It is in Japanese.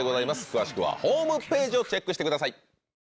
詳しくはホームページをチェックしてください。